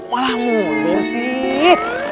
malah mundur sih